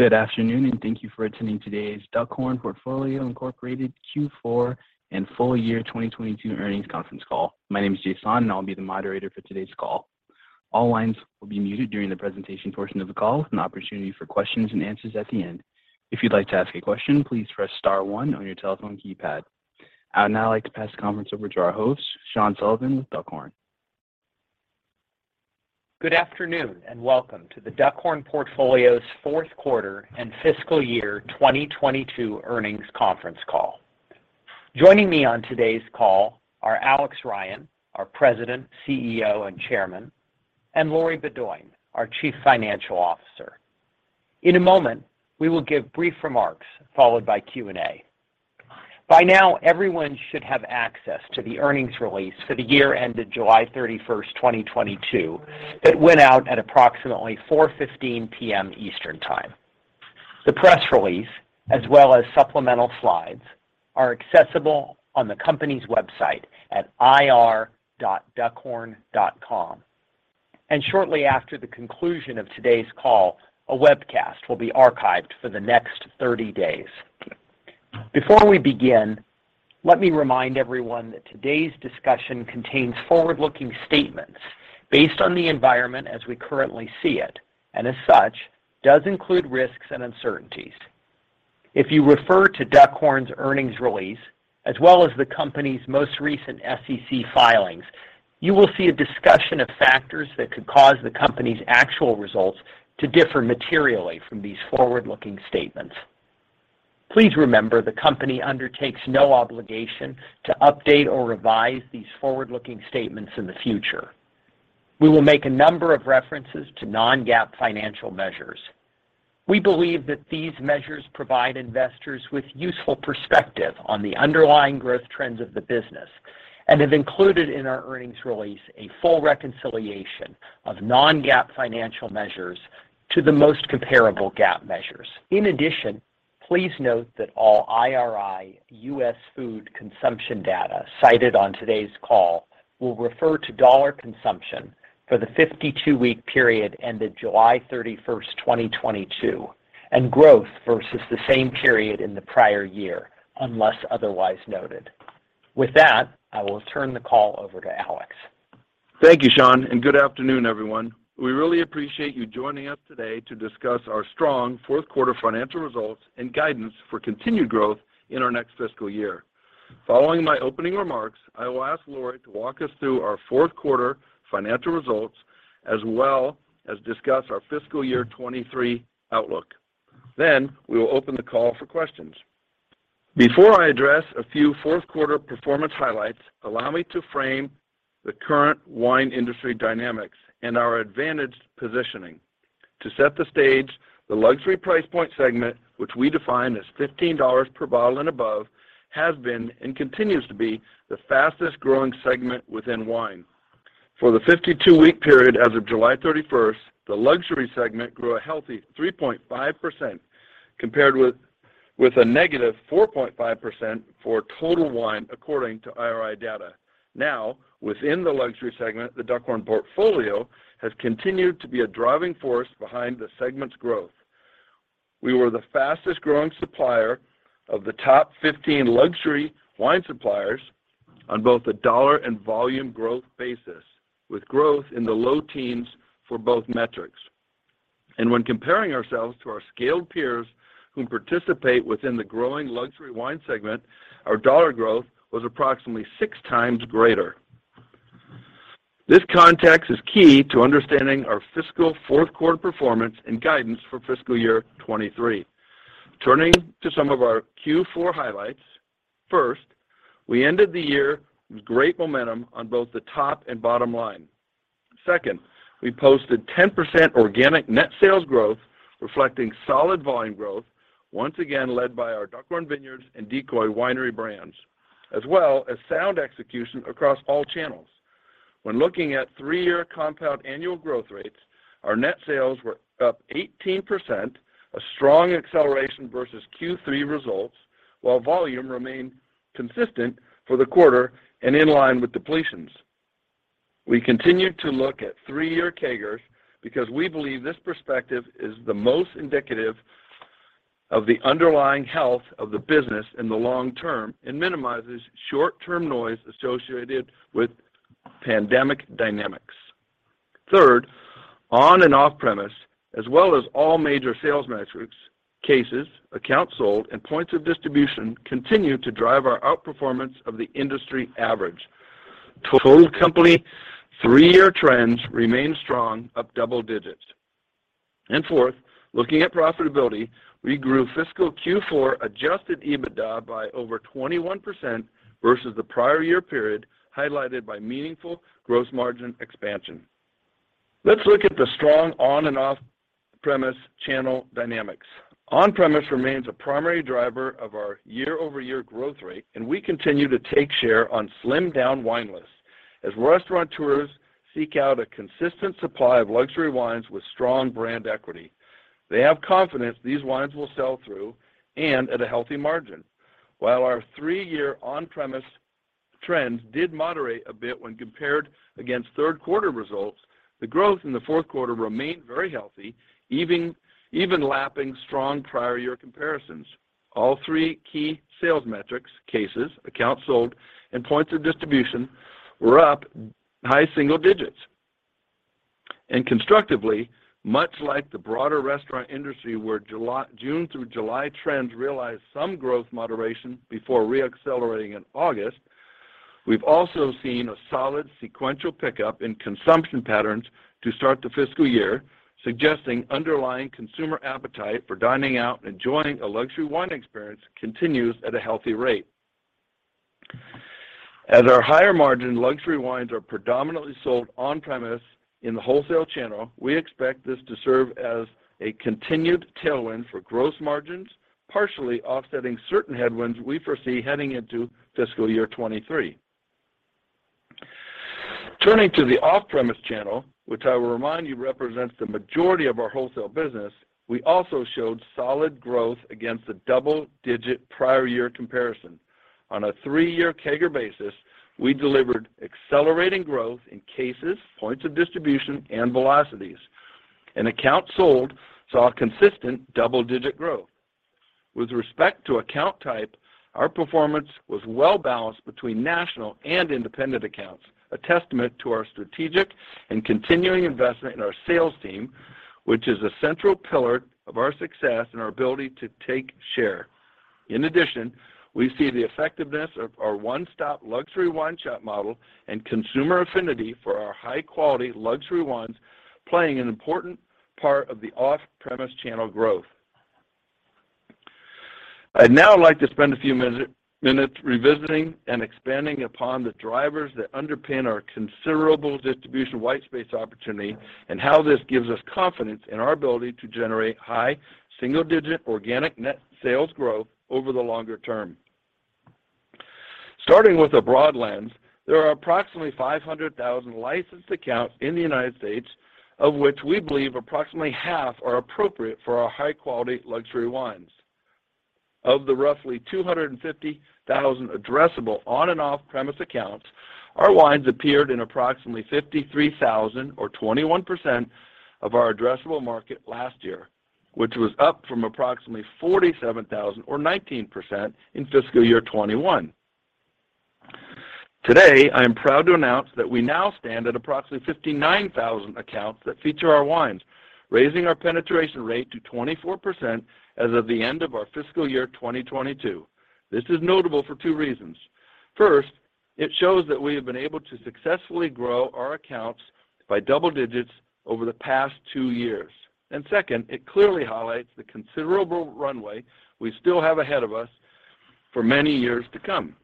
Good afternoon, and thank you for attending today's The Duckhorn Portfolio, Inc. Q4 and full year 2022 earnings conference call. My name is Jason, and I'll be the moderator for today's call. All lines will be muted during the presentation portion of the call with an opportunity for questions and answers at the end. If you'd like to ask a question, please press star one on your telephone keypad. I would now like to pass the conference over to our host, Sean Sullivan with Duckhorn. Good afternoon, and welcome to The Duckhorn Portfolio's fourth quarter and fiscal year 2022 earnings conference call. Joining me on today's call are Alex Ryan, our President, CEO, and Chairman, and Lori Beaudoin, our Chief Financial Officer. In a moment, we will give brief remarks followed by Q&A. By now, everyone should have access to the earnings release for the year ended July 31st, 2022. It went out at approximately 4:15 P.M. Eastern Time. The press release, as well as supplemental slides, are accessible on the company's website at ir.duckhorn.com. Shortly after the conclusion of today's call, a webcast will be archived for the next 30 days. Before we begin, let me remind everyone that today's discussion contains forward-looking statements based on the environment as we currently see it, and as such, does include risks and uncertainties. If you refer to Duckhorn's earnings release as well as the company's most recent SEC filings, you will see a discussion of factors that could cause the company's actual results to differ materially from these forward-looking statements. Please remember the company undertakes no obligation to update or revise these forward-looking statements in the future. We will make a number of references to non-GAAP financial measures. We believe that these measures provide investors with useful perspective on the underlying growth trends of the business and have included in our earnings release a full reconciliation of non-GAAP financial measures to the most comparable GAAP measures. In addition, please note that all IRI U.S. food consumption data cited on today's call will refer to dollar consumption for the 52-week period ended July 31st, 2022 and growth versus the same period in the prior year, unless otherwise noted. With that, I will turn the call over to Alex. Thank you, Sean, and good afternoon, everyone. We really appreciate you joining us today to discuss our strong fourth quarter financial results and guidance for continued growth in our next fiscal year. Following my opening remarks, I will ask Lori to walk us through our fourth quarter financial results as well as discuss our fiscal year 2023 outlook. Then we will open the call for questions. Before I address a few fourth quarter performance highlights, allow me to frame the current wine industry dynamics and our advantaged positioning. To set the stage, the luxury price point segment, which we define as $15 per bottle and above, has been and continues to be the fastest-growing segment within wine. For the 52-week period as of July 31st, the luxury segment grew a healthy 3.5% compared with a negative 4.5% for total wine according to IRI data. Now, within the luxury segment, the Duckhorn Portfolio has continued to be a driving force behind the segment's growth. We were the fastest-growing supplier of the top 15 luxury wine suppliers on both a dollar and volume growth basis, with growth in the low teens for both metrics. When comparing ourselves to our scaled peers who participate within the growing luxury wine segment, our dollar growth was approximately six times greater. This context is key to understanding our fiscal fourth quarter performance and guidance for fiscal year 2023. Turning to some of our Q4 highlights. First, we ended the year with great momentum on both the top and bottom line. Second, we posted 10% organic net sales growth, reflecting solid volume growth, once again led by our Duckhorn Vineyards and Decoy brands, as well as sound execution across all channels. When looking at three-year CAGR, our net sales were up 18%, a strong acceleration versus Q3 results, while volume remained consistent for the quarter and in line with depletions. We continue to look at three-year CAGRs because we believe this perspective is the most indicative of the underlying health of the business in the long term and minimizes short-term noise associated with pandemic dynamics. Third, on and off-premise, as well as all major sales metrics, cases, accounts sold, and points of distribution continue to drive our outperformance of the industry average. Total company three-year trends remain strong, up double digits. Fourth, looking at profitability, we grew fiscal Q4 adjusted EBITDA by over 21% versus the prior year period, highlighted by meaningful gross margin expansion. Let's look at the strong on- and off-premise channel dynamics. On-premise remains a primary driver of our YoY growth rate, and we continue to take share on slimmed down wine lists. As restaurateurs seek out a consistent supply of luxury wines with strong brand equity, they have confidence these wines will sell through and at a healthy margin. While our three-year on-premise trends did moderate a bit when compared against third quarter results. The growth in the fourth quarter remained very healthy, even lapping strong prior year comparisons. All three key sales metrics, cases, accounts sold, and points of distribution were up high single digits. Constructively, much like the broader restaurant industry, where June through July trends realized some growth moderation before re-accelerating in August, we've also seen a solid sequential pickup in consumption patterns to start the fiscal year, suggesting underlying consumer appetite for dining out and enjoying a luxury wine experience continues at a healthy rate. As our higher-margin luxury wines are predominantly sold on-premise in the wholesale channel, we expect this to serve as a continued tailwind for gross margins, partially offsetting certain headwinds we foresee heading into fiscal year 2023. Turning to the off-premise channel, which I will remind you represents the majority of our wholesale business, we also showed solid growth against the double-digit prior year comparison. On a 3-year CAGR basis, we delivered accelerating growth in cases, points of distribution, and velocities. Accounts sold saw consistent double-digit growth. With respect to account type, our performance was well-balanced between national and independent accounts, a testament to our strategic and continuing investment in our sales team, which is a central pillar of our success and our ability to take share. In addition, we see the effectiveness of our one-stop luxury wine shop model and consumer affinity for our high-quality luxury wines playing an important part of the off-premise channel growth. I'd now like to spend a few minutes revisiting and expanding upon the drivers that underpin our considerable distribution white space opportunity and how this gives us confidence in our ability to generate high single-digit organic net sales growth over the longer term. Starting with a broad lens, there are approximately 500,000 licensed accounts in the United States, of which we believe approximately half are appropriate for our high-quality luxury wines. Of the roughly 250,000 addressable on and off-premise accounts, our wines appeared in approximately 53,000 or 21% of our addressable market last year, which was up from approximately 47,000 or 19% in fiscal year 2021. Today, I am proud to announce that we now stand at approximately 59,000 accounts that feature our wines, raising our penetration rate to 24% as of the end of our fiscal year 2022. This is notable for two reasons. First, it shows that we have been able to successfully grow our accounts by double digits over the past two years. Second, it clearly highlights the considerable runway we still have ahead of us for many years to come.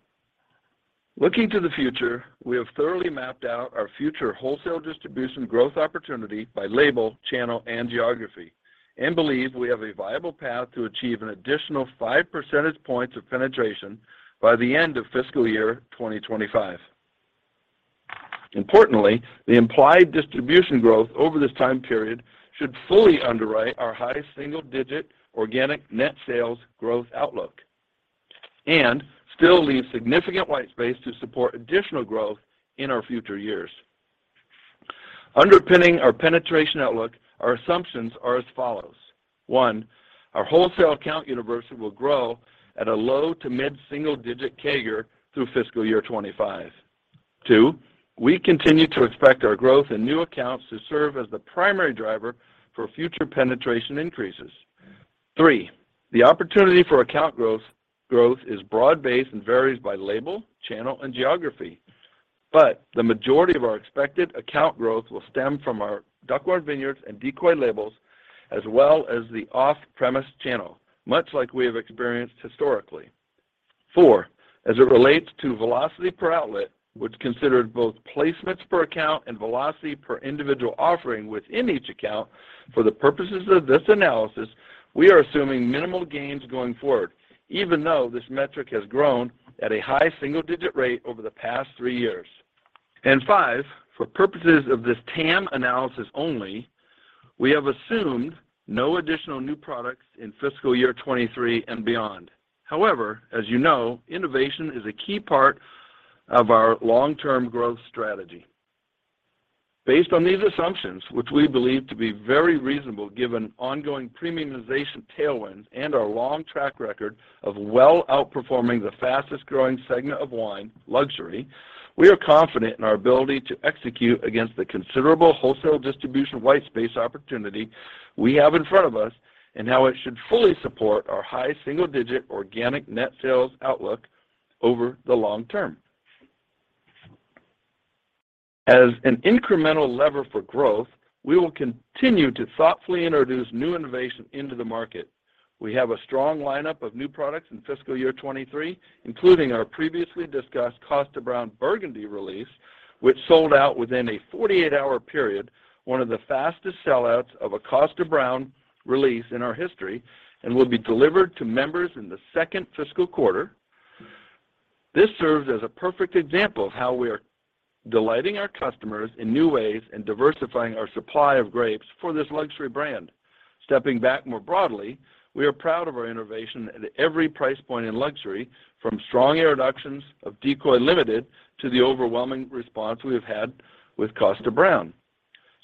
Looking to the future, we have thoroughly mapped out our future wholesale distribution growth opportunity by label, channel, and geography, and believe we have a viable path to achieve an additional 5 percentage points of penetration by the end of fiscal year 2025. Importantly, the implied distribution growth over this time period should fully underwrite our high single-digit organic net sales growth outlook and still leave significant white space to support additional growth in our future years. Underpinning our penetration outlook, our assumptions are as follows. One, our wholesale account universe will grow at a low- to mid-single-digit CAGR through fiscal year 2025. Two, we continue to expect our growth in new accounts to serve as the primary driver for future penetration increases. Three, the opportunity for account growth is broad-based and varies by label, channel, and geography. The majority of our expected account growth will stem from our Duckhorn Vineyards and Decoy labels, as well as the off-premise channel, much like we have experienced historically. Four, as it relates to velocity per outlet, which considered both placements per account and velocity per individual offering within each account, for the purposes of this analysis, we are assuming minimal gains going forward, even though this metric has grown at a high single-digit rate over the past three years. Five, for purposes of this TAM analysis only, we have assumed no additional new products in fiscal year 2023 and beyond. However, as you know, innovation is a key part of our long-term growth strategy. Based on these assumptions, which we believe to be very reasonable given ongoing premiumization tailwinds and our long track record of well outperforming the fastest-growing segment of wine, luxury, we are confident in our ability to execute against the considerable wholesale distribution white space opportunity we have in front of us and how it should fully support our high single-digit organic net sales outlook over the long term. As an incremental lever for growth, we will continue to thoughtfully introduce new innovation into the market. We have a strong lineup of new products in fiscal year 2023, including our previously discussed Kosta Browne Burgundy release, which sold out within a 48-hour period, one of the fastest sellouts of a Kosta Browne release in our history, and will be delivered to members in the second fiscal quarter. This serves as a perfect example of how we are delighting our customers in new ways and diversifying our supply of grapes for this luxury brand. Stepping back more broadly, we are proud of our innovation at every price point in luxury, from strong introductions of Decoy Limited to the overwhelming response we have had with Kosta Browne.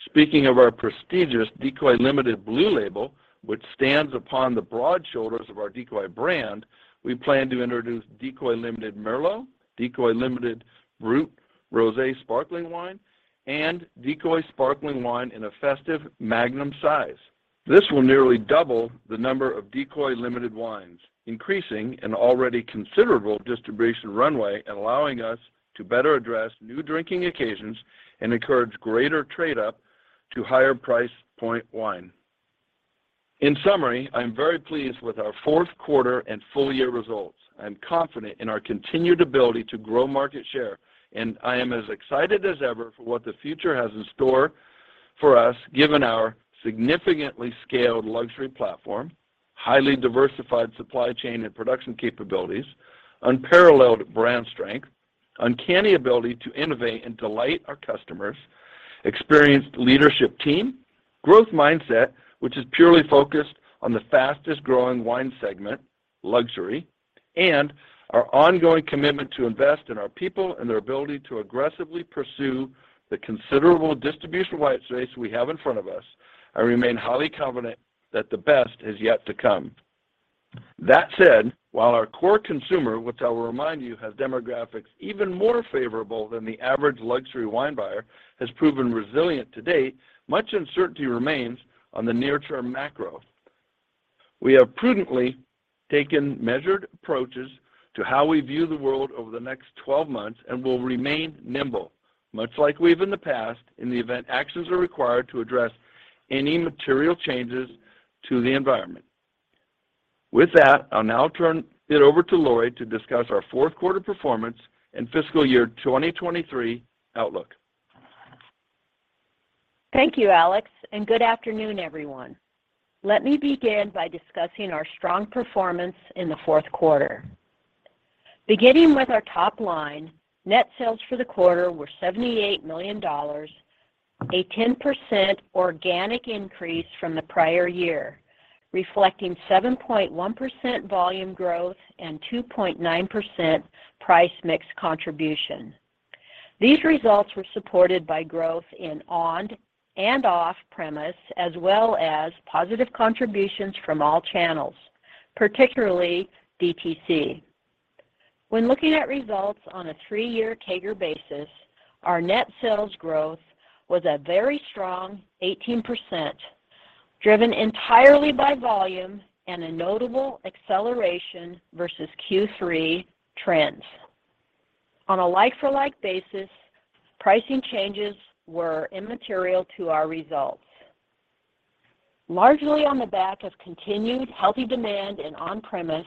Speaking of our prestigious Decoy Limited blue label, which stands upon the broad shoulders of our Decoy brand, we plan to introduce Decoy Limited Merlot, Decoy Limited Brut Rosé Sparkling Wine, and Decoy Sparkling Wine in a festive magnum size. This will nearly double the number of Decoy Limited wines, increasing an already considerable distribution runway and allowing us to better address new drinking occasions and encourage greater trade-up to higher price point wine. In summary, I'm very pleased with our fourth quarter and full year results. I'm confident in our continued ability to grow market share, and I am as excited as ever for what the future has in store for us, given our significantly scaled luxury platform, highly diversified supply chain and production capabilities, unparalleled brand strength, uncanny ability to innovate and delight our customers, experienced leadership team, growth mindset, which is purely focused on the fastest-growing wine segment, luxury, and our ongoing commitment to invest in our people and their ability to aggressively pursue the considerable distribution white space we have in front of us. I remain highly confident that the best is yet to come. That said, while our core consumer, which I will remind you, has demographics even more favorable than the average luxury wine buyer, has proven resilient to date, much uncertainty remains on the near-term macro. We have prudently taken measured approaches to how we view the world over the next twelve months and will remain nimble, much like we have in the past, in the event actions are required to address any material changes to the environment. With that, I'll now turn it over to Lori to discuss our fourth quarter performance and fiscal year 2023 outlook. Thank you, Alex, and good afternoon, everyone. Let me begin by discussing our strong performance in the fourth quarter. Beginning with our top line, net sales for the quarter were $78 million, a 10% organic increase from the prior year, reflecting 7.1% volume growth and 2.9% price mix contribution. These results were supported by growth in on- and off-premise, as well as positive contributions from all channels, particularly DTC. When looking at results on a 3-year CAGR basis, our net sales growth was a very strong 18%, driven entirely by volume and a notable acceleration versus Q3 trends. On a like-for-like basis, pricing changes were immaterial to our results. Largely on the back of continued healthy demand in on-premise,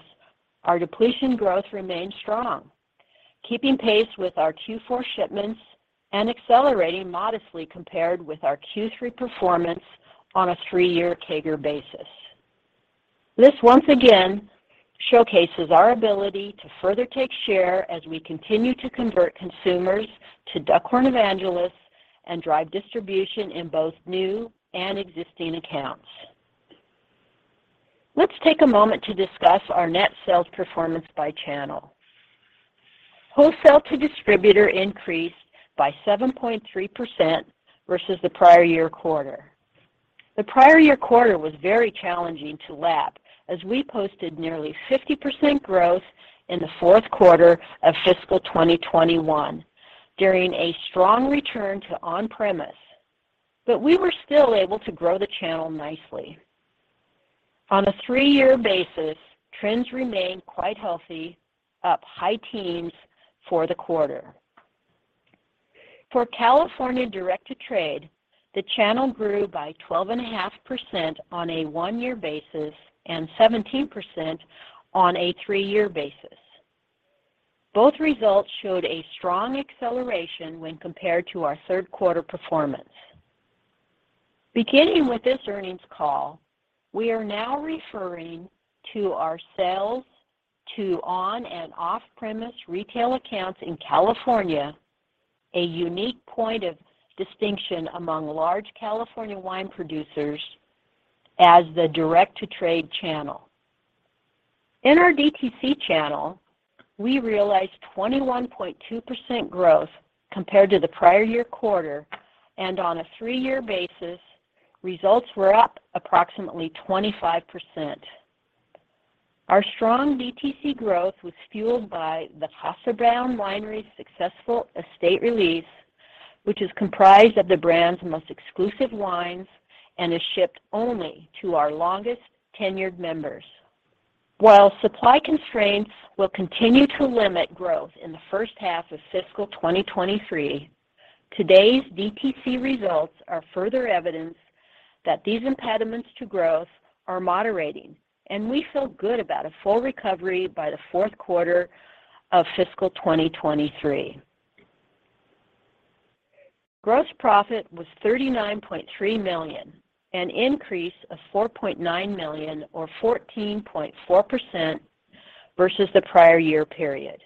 our depletion growth remained strong, keeping pace with our Q4 shipments and accelerating modestly compared with our Q3 performance on a three-year CAGR basis. This once again showcases our ability to further take share as we continue to convert consumers to Duckhorn evangelists and drive distribution in both new and existing accounts. Let's take a moment to discuss our net sales performance by channel. Wholesale to distributor increased by 7.3% versus the prior year quarter. The prior year quarter was very challenging to lap as we posted nearly 50% growth in the fourth quarter of fiscal 2021 during a strong return to on-premise, but we were still able to grow the channel nicely. On a three-year basis, trends remained quite healthy, up high teens for the quarter. For California direct-to-trade, the channel grew by 12.5% on a one-year basis and 17% on a three-year basis. Both results showed a strong acceleration when compared to our third quarter performance. Beginning with this earnings call, we are now referring to our sales to on and off-premise retail accounts in California, a unique point of distinction among large California wine producers, as the direct-to-trade channel. In our DTC channel, we realized 21.2% growth compared to the prior year quarter, and on a three-year basis, results were up approximately 25%. Our strong DTC growth was fueled by the Kosta Browne Winery's successful estate release, which is comprised of the brand's most exclusive wines and is shipped only to our longest tenured members. While supply constraints will continue to limit growth in the first half of fiscal 2023, today's DTC results are further evidence that these impediments to growth are moderating, and we feel good about a full recovery by the fourth quarter of fiscal 2023. Gross profit was $39.3 million, an increase of $4.9 million or 14.4% versus the prior year period.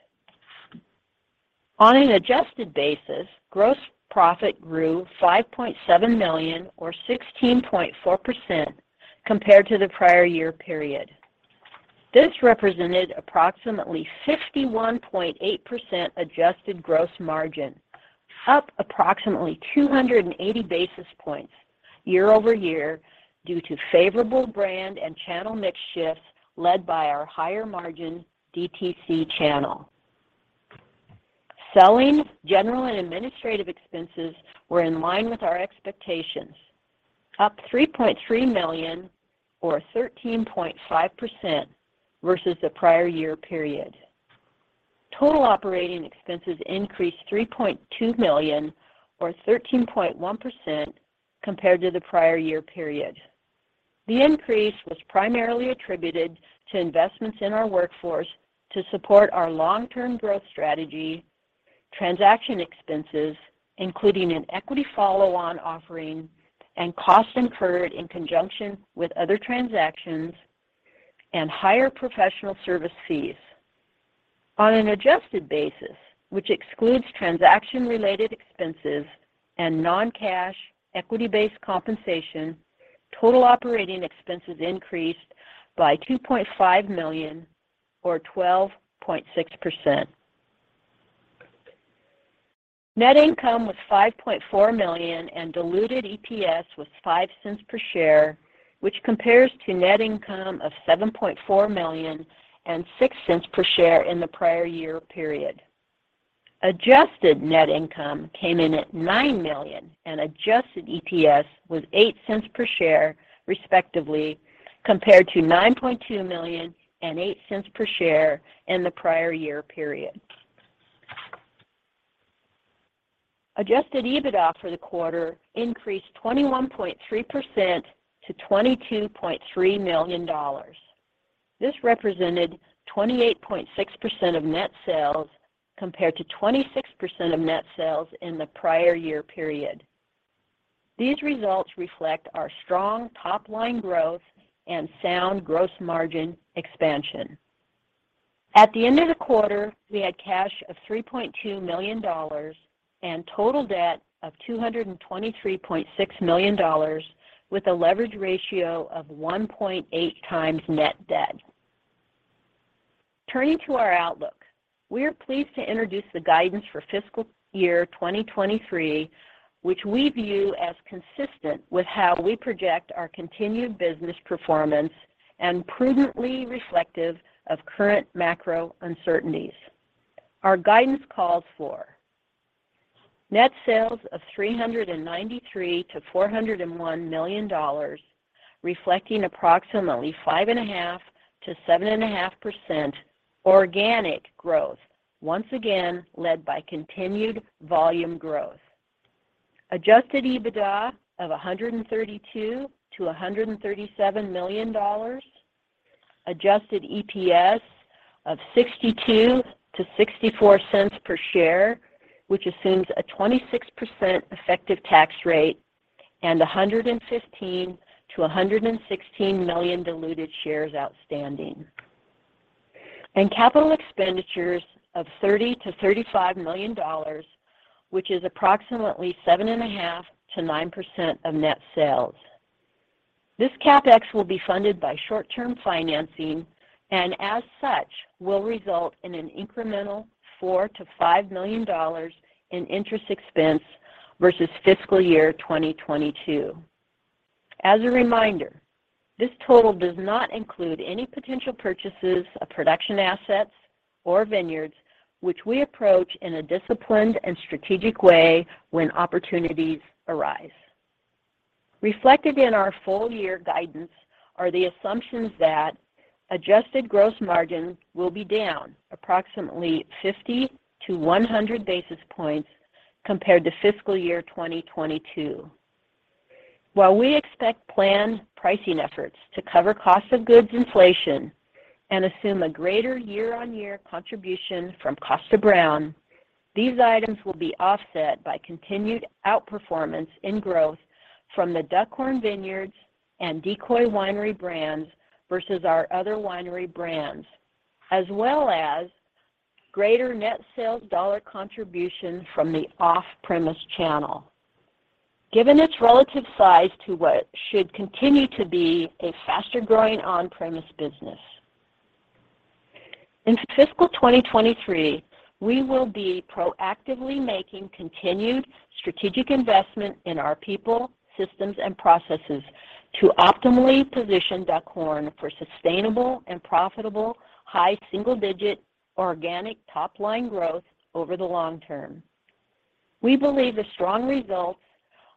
On an adjusted basis, gross profit grew $5.7 million or 16.4% compared to the prior year period. This represented approximately 61.8% adjusted gross margin, up approximately 280 basis points YoY due to favorable brand and channel mix shifts led by our higher margin DTC channel. Selling, general and administrative expenses were in line with our expectations, up $3.3 million or 13.5% versus the prior year period. Total operating expenses increased $3.2 million or 13.1% compared to the prior year period. The increase was primarily attributed to investments in our workforce to support our long-term growth strategy, transaction expenses, including an equity follow-on offering and costs incurred in conjunction with other transactions and higher professional service fees. On an adjusted basis, which excludes transaction-related expenses and non-cash equity-based compensation, total operating expenses increased by $2.5 million or 12.6%. Net income was $5.4 million and diluted EPS was $0.05 per share, which compares to net income of $7.4 million and $0.06 per share in the prior year period. Adjusted net income came in at $9 million and adjusted EPS was $0.08 per share, respectively, compared to $9.2 million and $0.08 per share in the prior year period. Adjusted EBITDA for the quarter increased 21.3% to $22.3 million. This represented 28.6% of net sales compared to 26% of net sales in the prior year period. These results reflect our strong top line growth and sound gross margin expansion. At the end of the quarter, we had cash of $3.2 million and total debt of $223.6 million with a leverage ratio of 1.8x net debt. Turning to our outlook, we are pleased to introduce the guidance for fiscal year 2023, which we view as consistent with how we project our continued business performance and prudently reflective of current macro uncertainties. Our guidance calls for net sales of $393 million-$401 million, reflecting approximately 5.5%-7.5% organic growth, once again led by continued volume growth. Adjusted EBITDA of $132 million-$137 million. Adjusted EPS of 62-64 cents per share, which assumes a 26% effective tax rate and 115 million-116 million diluted shares outstanding. Capital expenditures of $30 million-$35 million, which is approximately 7.5%-9% of net sales. This CapEx will be funded by short-term financing, and as such, will result in an incremental $4 million-$5 million in interest expense versus fiscal year 2022. As a reminder, this total does not include any potential purchases of production assets or vineyards, which we approach in a disciplined and strategic way when opportunities arise. Reflected in our full year guidance are the assumptions that adjusted gross margin will be down approximately 50-100 basis points compared to fiscal year 2022. While we expect planned pricing efforts to cover cost of goods inflation and assume a greater year-on-year contribution from Kosta Browne, these items will be offset by continued outperformance in growth from the Duckhorn Vineyards and Decoy Winery brands versus our other winery brands, as well as greater net sales dollar contribution from the off-premise channel, given its relative size to what should continue to be a faster-growing on-premise business. In fiscal 2023, we will be proactively making continued strategic investment in our people, systems, and processes to optimally position Duckhorn for sustainable and profitable high single-digit organic top-line growth over the long term. We believe the strong results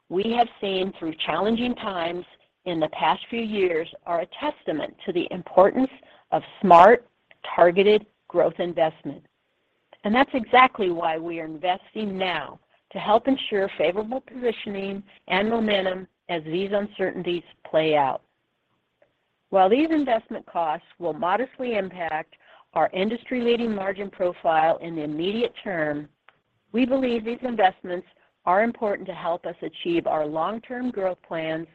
we have seen through challenging times in the past few years are a testament to the importance of smart, targeted growth investment. That's exactly why we are investing now to help ensure favorable positioning and momentum as these uncertainties play out. While these investment costs will modestly impact our industry-leading margin profile in the immediate term, we believe these investments are important to help us achieve our long-term growth plans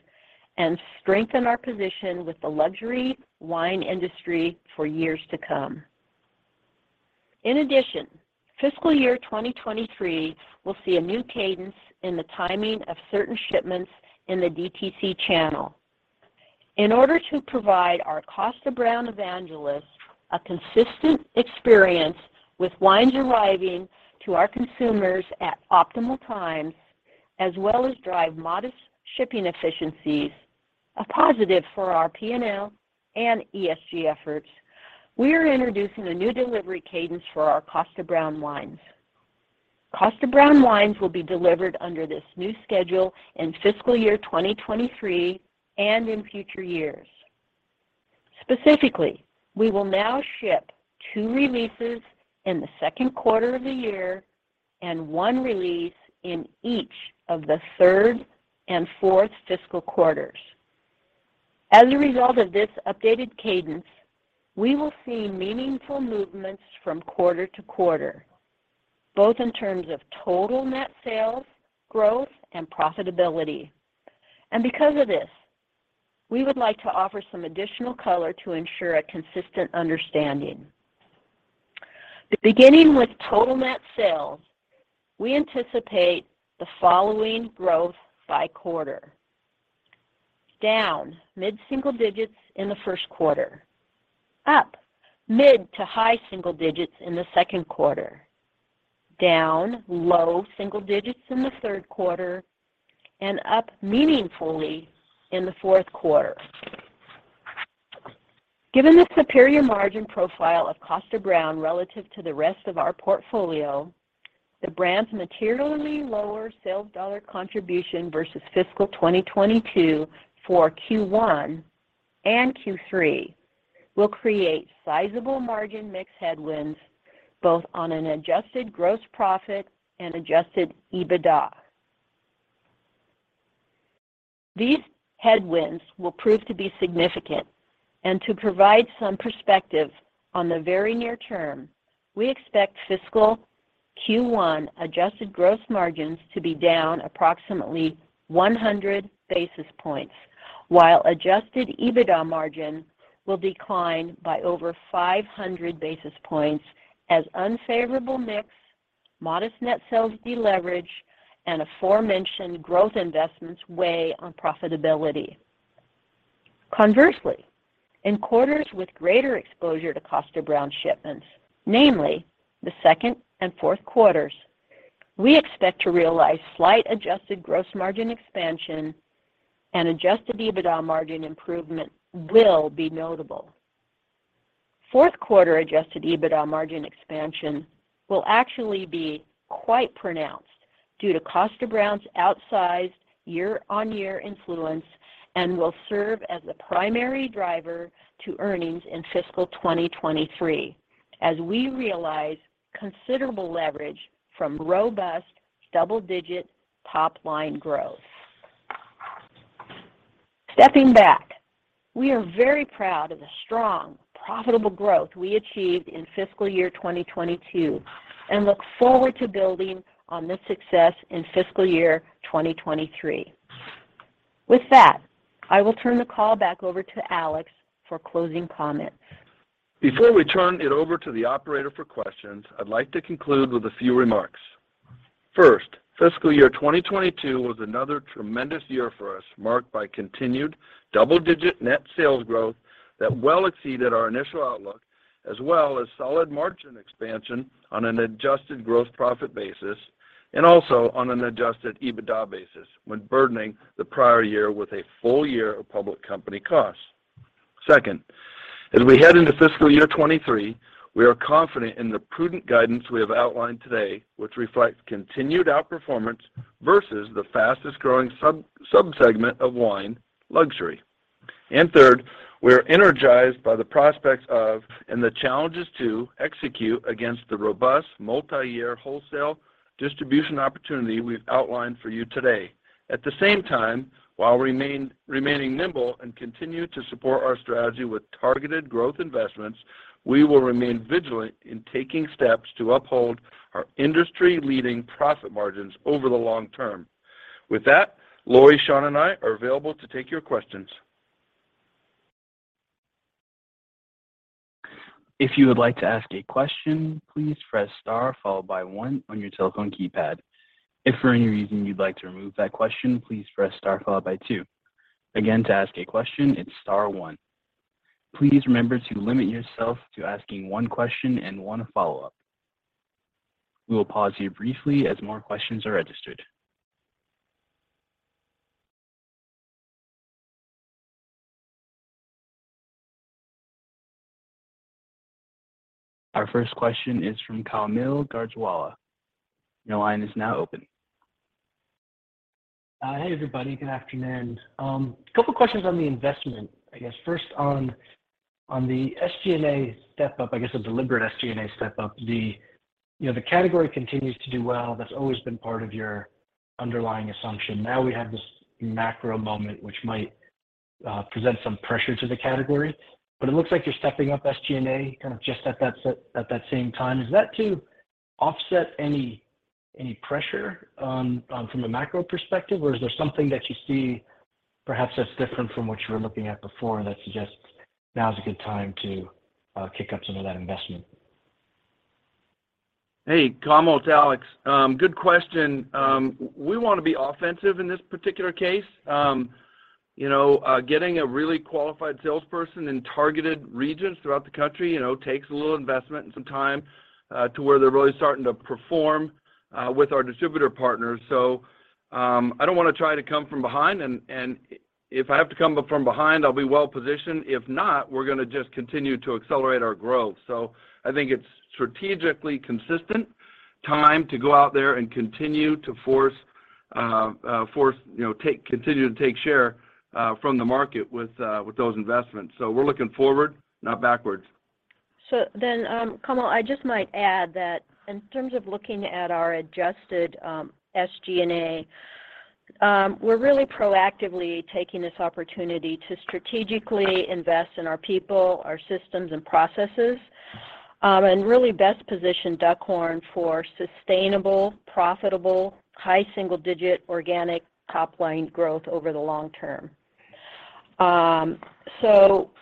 and strengthen our position with the luxury wine industry for years to come. In addition, fiscal year 2023 will see a new cadence in the timing of certain shipments in the DTC channel. In order to provide our Kosta Browne evangelists a consistent experience with wines arriving to our consumers at optimal times, as well as drive modest shipping efficiencies, a positive for our P&L and ESG efforts, we are introducing a new delivery cadence for our Kosta Browne wines. Kosta Browne wines will be delivered under this new schedule in fiscal year 2023 and in future years. Specifically, we will now ship two releases in the second quarter of the year and one release in each of the third and fourth fiscal quarters. As a result of this updated cadence, we will see meaningful movements from quarter to quarter, both in terms of total net sales growth and profitability. Because of this, we would like to offer some additional color to ensure a consistent understanding. Beginning with total net sales, we anticipate the following growth by quarter. Down mid-single digits in the first quarter, up mid to high single digits in the second quarter, down low single digits in the third quarter, and up meaningfully in the fourth quarter. Given the superior margin profile of Kosta Browne relative to the rest of our portfolio, the brand's materially lower sales dollar contribution versus fiscal 2022 for Q1 and Q3 will create sizable margin mix headwinds, both on an adjusted gross profit and adjusted EBITDA. These headwinds will prove to be significant, and to provide some perspective on the very near term, we expect fiscal Q1 adjusted gross margins to be down approximately 100 basis points, while adjusted EBITDA margin will decline by over 500 basis points as unfavorable mix, modest net sales deleverage, and aforementioned growth investments weigh on profitability. Conversely, in quarters with greater exposure to Kosta Browne shipments, namely the second and fourth quarters, we expect to realize slight adjusted gross margin expansion and adjusted EBITDA margin improvement will be notable. Fourth quarter adjusted EBITDA margin expansion will actually be quite pronounced due to Kosta Browne's outsized year-on-year influence and will serve as the primary driver to earnings in fiscal 2023 as we realize considerable leverage from robust double-digit top-line growth. Stepping back, we are very proud of the strong, profitable growth we achieved in fiscal year 2022 and look forward to building on this success in fiscal year 2023. With that, I will turn the call back over to Alex for closing comments. Before we turn it over to the operator for questions, I'd like to conclude with a few remarks. First, fiscal year 2022 was another tremendous year for us, marked by continued double-digit net sales growth that well exceeded our initial outlook, as well as solid margin expansion on an adjusted gross profit basis and also on an adjusted EBITDA basis when burdening the prior year with a full year of public company costs. Second, as we head into fiscal year 2023, we are confident in the prudent guidance we have outlined today, which reflects continued outperformance versus the fastest-growing sub-subsegment of wine luxury. Third, we are energized by the prospects of and the challenges to execute against the robust multi-year wholesale distribution opportunity we've outlined for you today. At the same time, while remaining nimble and continue to support our strategy with targeted growth investments, we will remain vigilant in taking steps to uphold our industry-leading profit margins over the long term. With that, Lori, Sean, and I are available to take your questions. If you would like to ask a question, please press star followed by one on your telephone keypad. If for any reason you'd like to remove that question, please press star followed by two. Again, to ask a question, it's star one. Please remember to limit yourself to asking one question and one follow-up. We will pause here briefly as more questions are registered. Our first question is from Kaumil Gajrawala. Your line is now open. Hey, everybody. Good afternoon. A couple questions on the investment, I guess. First on the SG&A step-up, I guess a deliberate SG&A step-up, you know, the category continues to do well. That's always been part of your underlying assumption. Now we have this macro moment, which might present some pressure to the category, but it looks like you're stepping up SG&A kind of just at that same time. Is that to offset any pressure on from a macro perspective? Or is there something that you see perhaps that's different from what you were looking at before that suggests now is a good time to kick up some of that investment? Hey, Kaumil, it's Alex. Good question. We wanna be offensive in this particular case. You know, getting a really qualified salesperson in targeted regions throughout the country, you know, takes a little investment and some time to where they're really starting to perform with our distributor partners. I don't wanna try to come from behind and if I have to come from behind, I'll be well-positioned. If not, we're gonna just continue to accelerate our growth. I think it's strategically consistent, time to go out there and continue to force, you know, continue to take share from the market with those investments. We're looking forward, not backwards. Kaumil, I just might add that in terms of looking at our adjusted SG&A, we're really proactively taking this opportunity to strategically invest in our people, our systems, and processes, and really best position Duckhorn for sustainable, profitable, high single-digit organic top-line growth over the long term.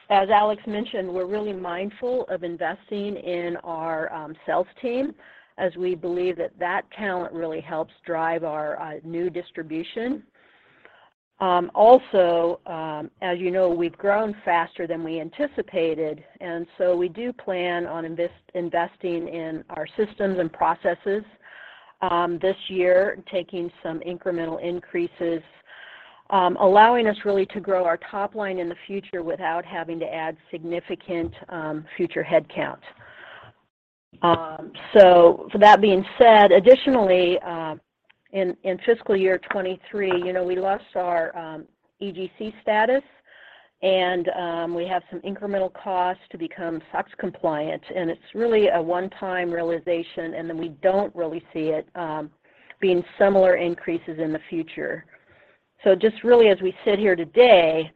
As Alex mentioned, we're really mindful of investing in our sales team as we believe that talent really helps drive our new distribution. Also, as you know, we've grown faster than we anticipated, we do plan on investing in our systems and processes this year, taking some incremental increases, allowing us really to grow our top line in the future without having to add significant future headcount. For that being said, additionally, in fiscal 2023, you know, we lost our EGC status and we have some incremental costs to become SOX compliant, and it's really a one-time realization, and then we don't really see it being similar increases in the future. Just really as we sit here today,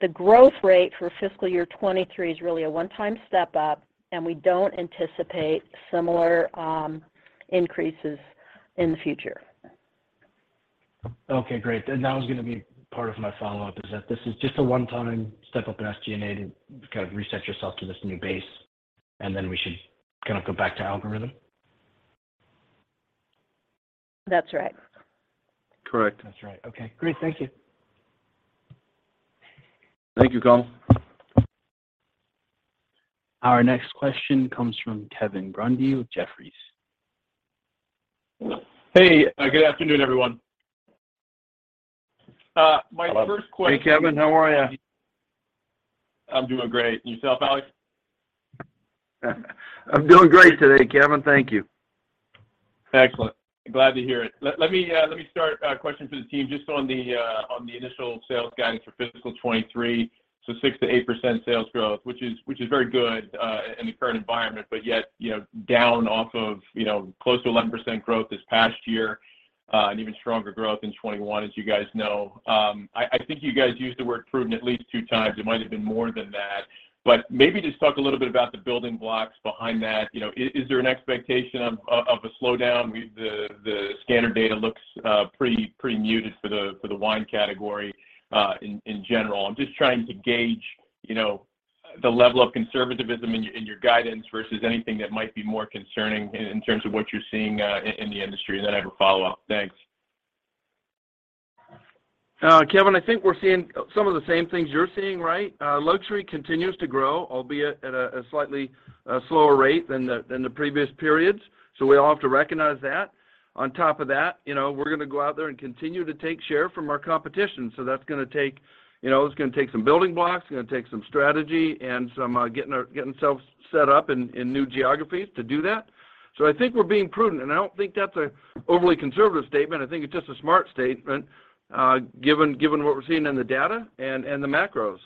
the growth rate for fiscal 2023 is really a one-time step up, and we don't anticipate similar increases in the future. Okay, great. That was gonna be part of my follow-up is that this is just a one-time step up in SG&A to kind of reset yourself to this new base, and then we should kind of go back to algorithm. That's right. Correct. That's right. Okay. Great. Thank you. Thank you, Kaumil. Our next question comes from Kevin Grundy with Jefferies. Hey, good afternoon, everyone. My first question. Hey, Kevin. How are you? I'm doing great. Yourself, Alex? I'm doing great today, Kevin. Thank you. Excellent. Glad to hear it. Let me ask a question for the team just on the initial sales guidance for fiscal 2023. So 6%-8% sales growth, which is very good in the current environment, but yet, you know, down off of, you know, close to 11% growth this past year, and even stronger growth in 2021, as you guys know. I think you guys used the word prudent at least two times. It might have been more than that. Maybe just talk a little bit about the building blocks behind that. You know, is there an expectation of a slowdown? The scanner data looks pretty muted for the wine category in general. I'm just trying to gauge, you know, the level of conservatism in your guidance versus anything that might be more concerning in terms of what you're seeing in the industry, and then I have a follow-up. Thanks. Kevin, I think we're seeing some of the same things you're seeing, right? Luxury continues to grow, albeit at a slightly slower rate than the previous periods. We all have to recognize that. On top of that, you know, we're gonna go out there and continue to take share from our competition. That's gonna take, you know, it's gonna take some building blocks, it's gonna take some strategy and some getting ourselves set up in new geographies to do that. I think we're being prudent, and I don't think that's an overly conservative statement. I think it's just a smart statement, given what we're seeing in the data and the macros.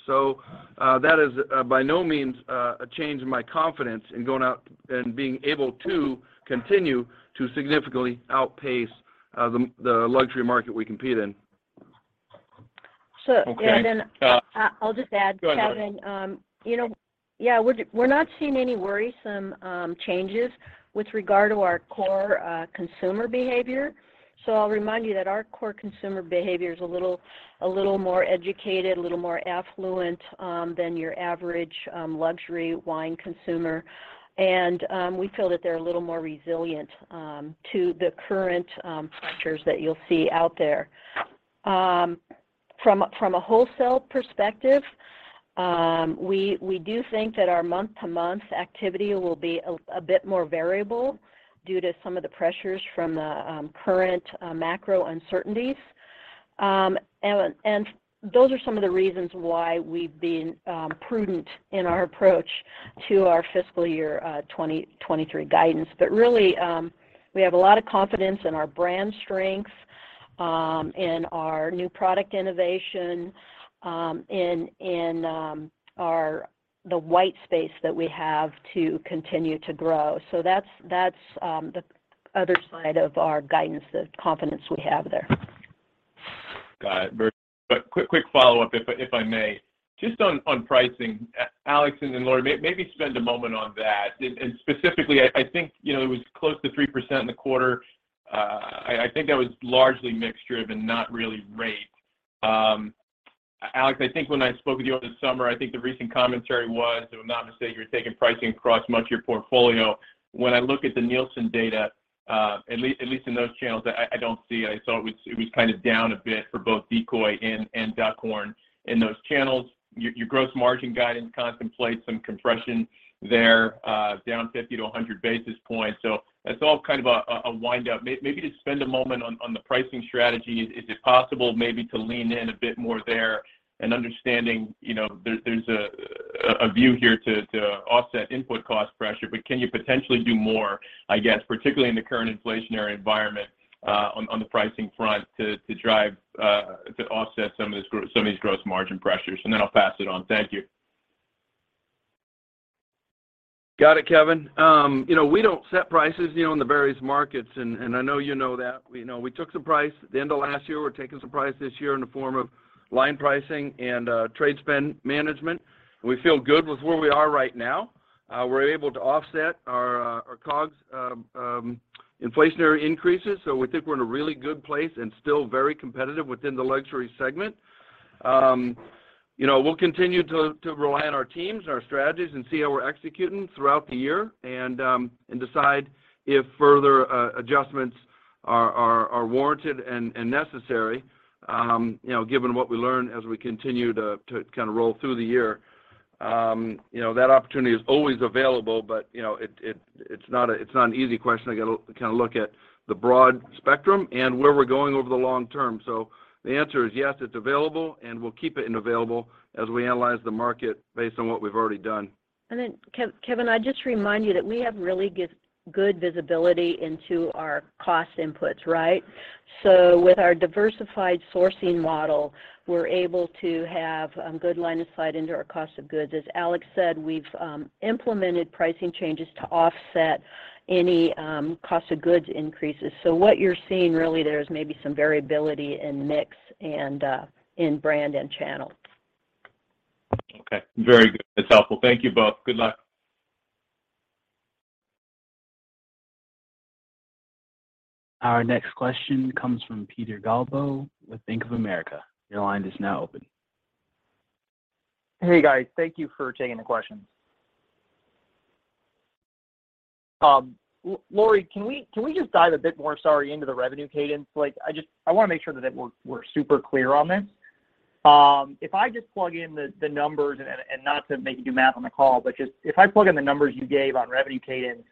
That is, by no means, a change in my confidence in going out and being able to continue to significantly outpace the luxury market we compete in. Okay. I'll just add, Kevin. Go ahead, Lori. You know, yeah, we're not seeing any worrisome changes with regard to our core consumer behavior. I'll remind you that our core consumer behavior is a little more educated, a little more affluent than your average luxury wine consumer. We feel that they're a little more resilient to the current pressures that you'll see out there. From a wholesale perspective, we do think that our month-to-month activity will be a bit more variable due to some of the pressures from the current macro uncertainties. Those are some of the reasons why we've been prudent in our approach to our fiscal year 2023 guidance. Really, we have a lot of confidence in our brand strength. In our new product innovation, in the white space that we have to continue to grow. That's the other side of our guidance, the confidence we have there. Got it. Quick follow-up, if I may. Just on pricing, Alex and then Lori, maybe spend a moment on that. Specifically I think, you know, it was close to 3% in the quarter. I think that was largely mix-driven, not really rate. Alex, I think when I spoke with you over the summer, I think the recent commentary was, if I'm not mistaken, you were taking pricing across much of your portfolio. When I look at the Nielsen data, at least in those channels, I don't see it. I saw it was kind of down a bit for both Decoy and Duckhorn in those channels. Your gross margin guidance contemplates some compression there, down 50-100 basis points. That's all kind of a windup. Maybe just spend a moment on the pricing strategy. Is it possible maybe to lean in a bit more there and understanding, you know, there's a view here to offset input cost pressure, but can you potentially do more, I guess, particularly in the current inflationary environment, on the pricing front to drive to offset some of these gross margin pressures? Then I'll pass it on. Thank you. Got it, Kevin. You know, we don't set prices, you know, in the various markets, and I know you know that. You know, we took some price at the end of last year, we're taking some price this year in the form of line pricing and trade spend management, and we feel good with where we are right now. We're able to offset our COGS inflationary increases, so we think we're in a really good place and still very competitive within the luxury segment. You know, we'll continue to rely on our teams and our strategies and see how we're executing throughout the year and decide if further adjustments are warranted and necessary, you know, given what we learn as we continue to kind of roll through the year. You know, that opportunity is always available, but, you know, it's not an easy question. I gotta kind of look at the broad spectrum and where we're going over the long term. The answer is yes, it's available, and we'll keep it available as we analyze the market based on what we've already done. Kevin, I'd just remind you that we have really good visibility into our cost inputs, right? With our diversified sourcing model, we're able to have good line of sight into our cost of goods. As Alex said, we've implemented pricing changes to offset any cost of goods increases. What you're seeing really there is maybe some variability in mix and in brand and channel. Okay. Very good. That's helpful. Thank you both. Good luck. Our next question comes from Peter Galbo with Bank of America. Your line is now open. Hey, guys. Thank you for taking the questions. Lori, can we just dive a bit more, sorry, into the revenue cadence? Like, I just I wanna make sure that we're super clear on this. If I just plug in the numbers, and not to make you do math on the call, but just if I plug in the numbers you gave on revenue cadence,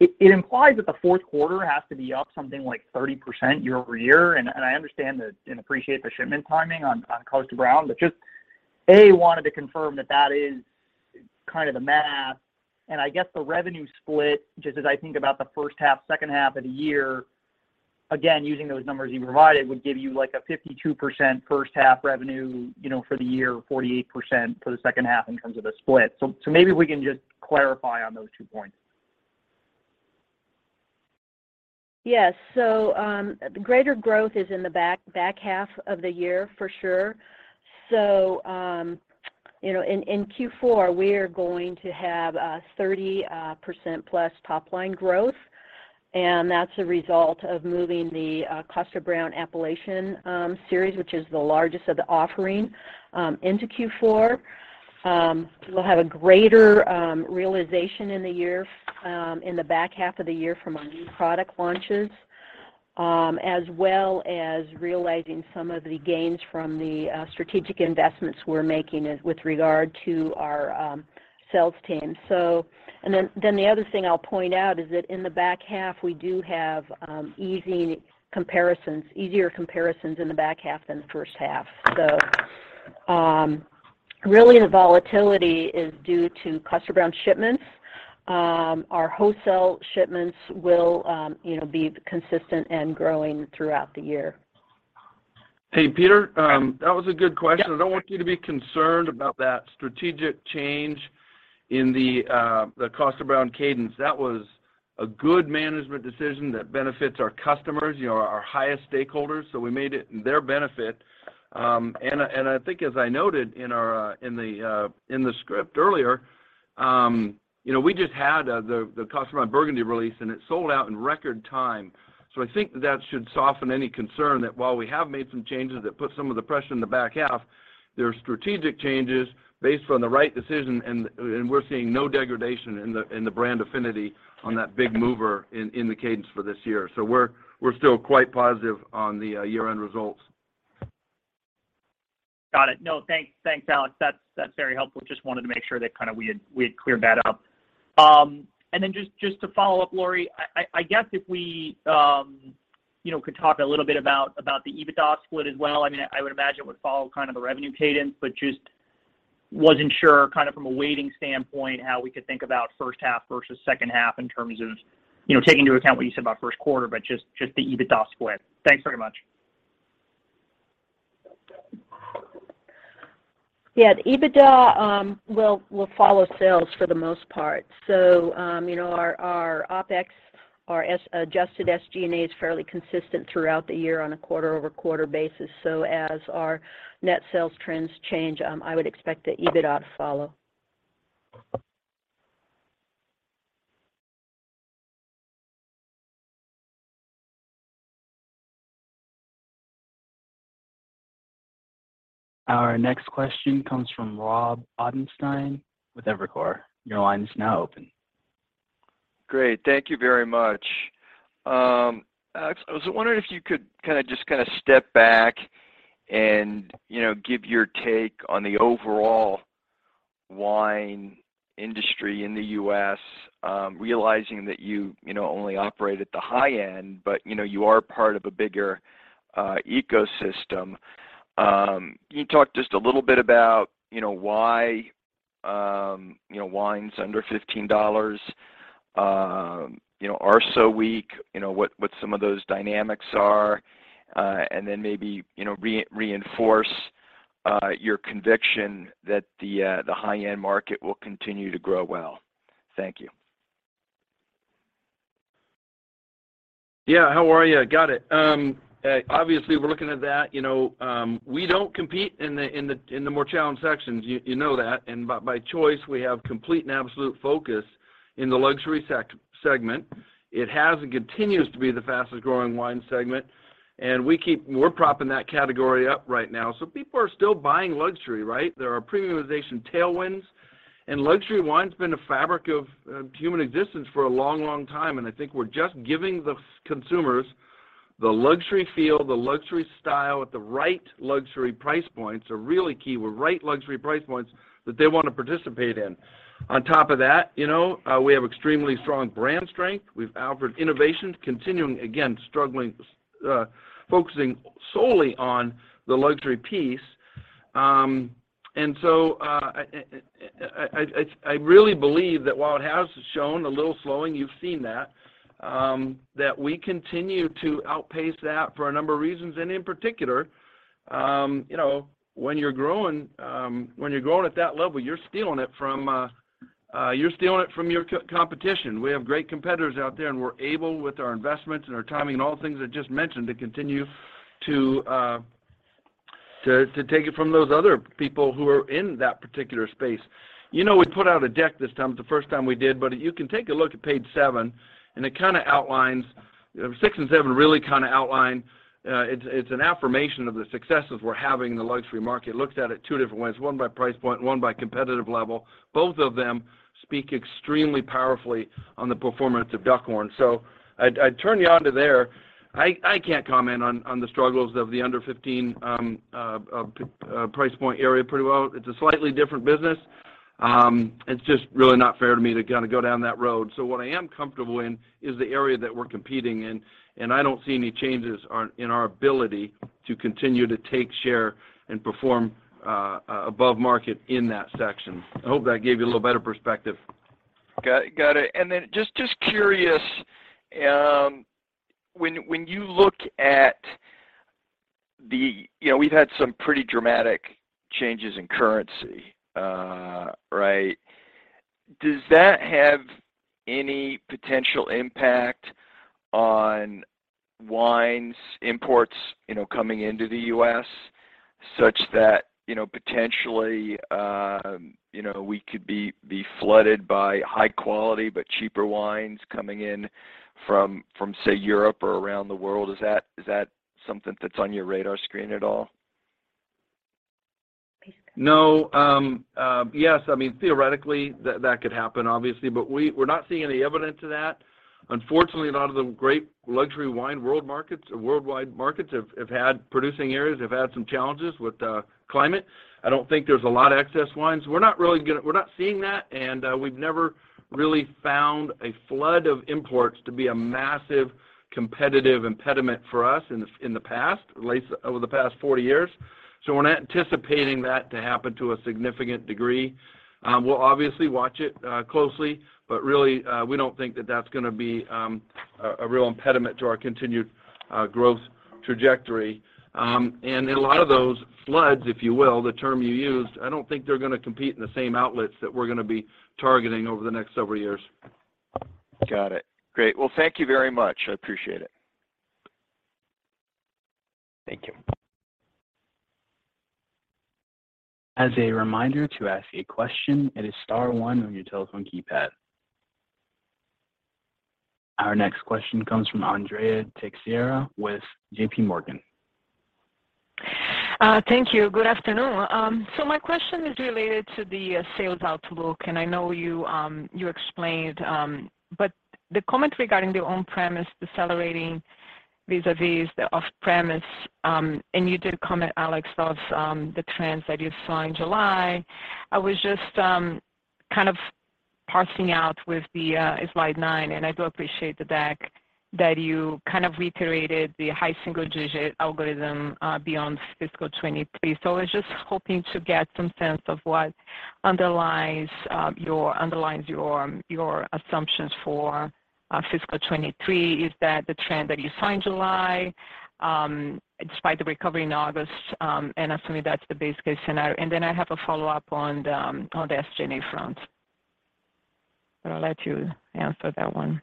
it implies that the fourth quarter has to be up something like 30% YoY. I understand the and appreciate the shipment timing on Kosta Browne, but just wanted to confirm that is kind of the math and I guess the revenue split, just as I think about the first half, second half of the year, again, using those numbers you provided, would give you like a 52% first half revenue, you know, for the year, 48% for the second half in terms of the split. Maybe we can just clarify on those two points. Yes. Greater growth is in the back half of the year for sure. You know, in Q4 we are going to have 30%+ top line growth, and that's a result of moving the Kosta Browne Appellation series, which is the largest of the offering, into Q4. We'll have a greater realization in the year, in the back half of the year from our new product launches, as well as realizing some of the gains from the strategic investments we're making with regard to our sales team. The other thing I'll point out is that in the back half, we do have easy comparisons, easier comparisons in the back half than the first half. Really, the volatility is due to Kosta Browne shipments. Our wholesale shipments will, you know, be consistent and growing throughout the year. Hey, Peter. That was a good question. Yeah. I don't want you to be concerned about that strategic change in the Kosta Browne cadence. That was a good management decision that benefits our customers, you know, our highest stakeholders, so we made it in their benefit. I think as I noted in the script earlier, you know, we just had the Kosta Browne Burgundy release, and it sold out in record time. I think that should soften any concern that while we have made some changes that put some of the pressure in the back half, they're strategic changes based on the right decision and we're seeing no degradation in the brand affinity on that big mover in the cadence for this year. We're still quite positive on the year-end results. Got it. No, thanks. Thanks, Alex. That's very helpful. Just wanted to make sure that kinda we had cleared that up. And then just to follow up, Lori, I guess if we, you know, could talk a little bit about the EBITDA split as well. I mean, I would imagine it would follow kind of the revenue cadence, but just wasn't sure kind of from a weighting standpoint how we could think about first half versus second half in terms of, you know, taking into account what you said about first quarter, but just the EBITDA split. Thanks very much. Yeah. The EBITDA will follow sales for the most part. You know, our OpEx, our adjusted SG&A is fairly consistent throughout the year on a QoQ basis. As our net sales trends change, I would expect the EBITDA to follow. Our next question comes from Robert Ottenstein with Evercore. Your line is now open. Great. Thank you very much. Alex, I was wondering if you could kinda just step back and, you know, give your take on the overall wine industry in the U.S., realizing that you know, only operate at the high end, but, you know, you are part of a bigger ecosystem. Can you talk just a little bit about, you know, why, you know, wines under $15, you know, are so weak, you know, what some of those dynamics are, and then maybe, you know, reinforce your conviction that the high-end market will continue to grow well. Thank you. Yeah. How are ya? Got it. Obviously we're looking at that. You know, we don't compete in the more challenged sections. You know that. By choice, we have complete and absolute focus in the luxury segment. It has and continues to be the fastest growing wine segment, and we're propping that category up right now. People are still buying luxury, right? There are premiumization tailwinds, and luxury wine's been a fabric of human existence for a long, long time, and I think we're just giving the consumers the luxury feel, the luxury style at the right luxury price points are really key. We're right luxury price points that they wanna participate in. On top of that, you know, we have extremely strong brand strength with Alfred innovations continuing, again, focusing solely on the luxury piece. I really believe that while it has shown a little slowing, you've seen that we continue to outpace that for a number of reasons. In particular, you know, when you're growing at that level, you're stealing it from your competition. We have great competitors out there, and we're able, with our investments and our timing and all the things I just mentioned, to continue to take it from those other people who are in that particular space. You know, we put out a deck this time. It's the first time we did, but you can take a look at page 7, and it kinda outlines. You know, 6 and 7 really kinda outline, it's an affirmation of the successes we're having in the luxury market. It looks at it two different ways, one by price point, one by competitive level. Both of them speak extremely powerfully on the performance of Duckhorn. So I'd turn you onto there. I can't comment on the struggles of the under 15 price point area pretty well. It's a slightly different business. It's just really not fair to me to kinda go down that road. What I am comfortable in is the area that we're competing in, and I don't see any changes in our ability to continue to take share and perform above market in that section. I hope that gave you a little better perspective. Got it. Just curious, when you look at the. You know, we've had some pretty dramatic changes in currency, right? Does that have any potential impact on wine imports, you know, coming into the U.S. such that, you know, potentially, we could be flooded by high quality but cheaper wines coming in from, say, Europe or around the world? Is that something that's on your radar screen at all? Please, Yes, I mean, theoretically that could happen obviously, but we're not seeing any evidence of that. Unfortunately, a lot of the great luxury wine world markets or worldwide markets have had producing areas have had some challenges with climate. I don't think there's a lot of excess wines. We're not seeing that, and we've never really found a flood of imports to be a massive competitive impediment for us in the past, at least over the past 40 years. We're not anticipating that to happen to a significant degree. We'll obviously watch it closely, but really, we don't think that that's gonna be a real impediment to our continued growth trajectory. A lot of those floods, if you will, the term you used, I don't think they're gonna compete in the same outlets that we're gonna be targeting over the next several years. Got it. Great. Well, thank you very much. I appreciate it. Thank you. As a reminder to ask a question, it is star one on your telephone keypad. Our next question comes from Andrea Teixeira with JP Morgan. Thank you. Good afternoon. My question is related to the sales outlook, and I know you explained the comment regarding the on-premise decelerating vis-à-vis the off-premise, and you did comment, Alex, about the trends that you saw in July. I was just kind of parsing out with the slide nine, and I do appreciate the deck that you kind of reiterated the high single-digit growth beyond fiscal 2023. I was just hoping to get some sense of what underlies your assumptions for fiscal 2023. Is that the trend that you saw in July despite the recovery in August? Assuming that's the base case scenario. Then I have a follow-up on the SG&A front. But I'll let you answer that one.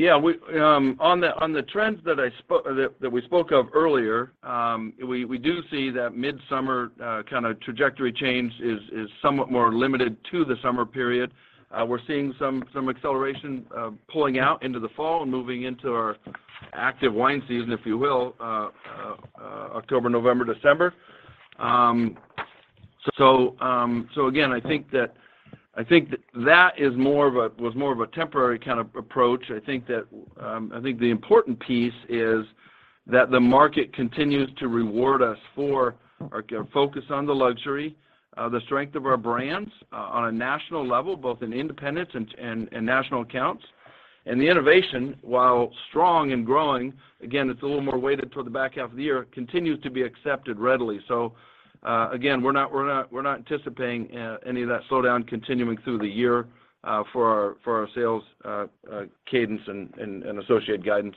Yeah. On the trends that we spoke of earlier, we do see that midsummer kinda trajectory change is somewhat more limited to the summer period. We're seeing some acceleration pulling out into the fall and moving into our active wine season, if you will, October, November, December. Again, I think that was more of a temporary kind of approach. I think the important piece is that the market continues to reward us for our focus on the luxury, the strength of our brands on a national level, both in independents and national accounts. The innovation, while strong and growing, again, it's a little more weighted toward the back half of the year, continues to be accepted readily. Again, we're not anticipating any of that slowdown continuing through the year for our sales cadence and associated guidance.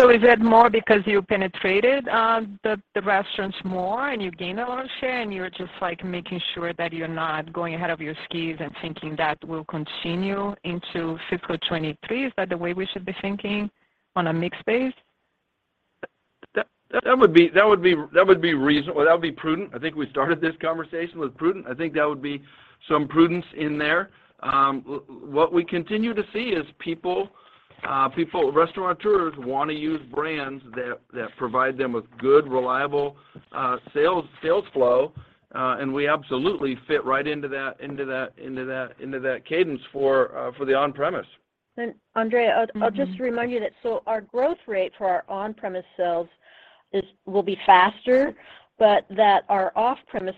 Is that more because you penetrated the restaurants more and you gained a lot of share, and you're just, like, making sure that you're not going ahead of your skis and thinking that will continue into fiscal 2023? Is that the way we should be thinking on a mix basis? That would be prudent. I think we started this conversation with prudent. I think that would be some prudence in there. What we continue to see is people, restaurateurs wanna use brands that provide them with good, reliable, sales flow. We absolutely fit right into that cadence for the on-premise. Andrea, I'll just remind you that our growth rate for our on-premise sales is, will be faster, but that our off-premise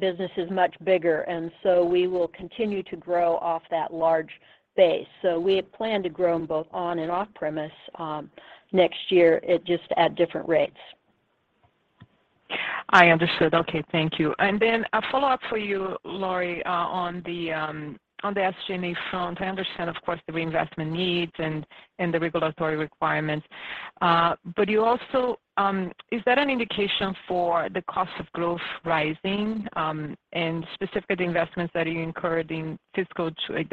business is much bigger, and so we will continue to grow off that large base. We plan to grow in both on- and off-premise next year, it just at different rates. I understood. Okay, thank you. A follow-up for you, Lori, on the SG&A front. I understand, of course, the reinvestment needs and the regulatory requirements. But you also. Is that an indication for the cost of growth rising, and specific investments that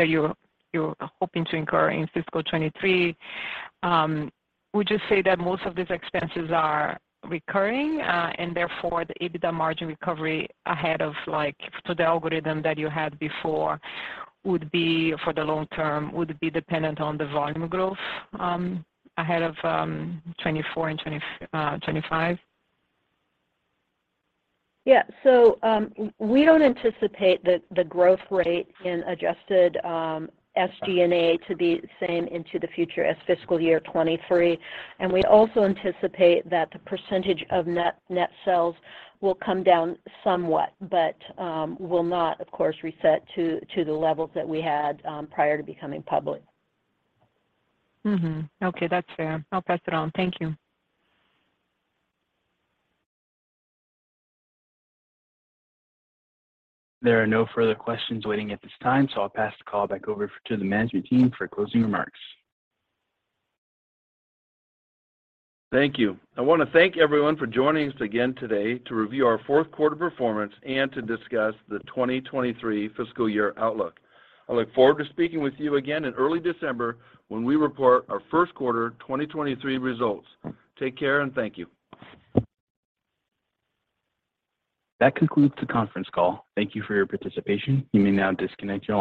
you're hoping to incur in fiscal 2023? Would you say that most of these expenses are recurring, and therefore the EBITDA margin recovery ahead of, like, to the algorithm that you had before would be for the long term, would be dependent on the volume growth, ahead of 2024 and 2025? We don't anticipate the growth rate in adjusted SG&A to be the same into the future as fiscal year 2023. We also anticipate that the percentage of net sales will come down somewhat, but will not, of course, reset to the levels that we had prior to becoming public. Mm-hmm. Okay, that's fair. I'll pass it on. Thank you. There are no further questions waiting at this time, so I'll pass the call back over to the management team for closing remarks. Thank you. I wanna thank everyone for joining us again today to review our fourth quarter performance and to discuss the 2023 fiscal year outlook. I look forward to speaking with you again in early December when we report our first quarter 2023 results. Take care, and thank you. That concludes the conference call. Thank you for your participation. You may now disconnect your lines.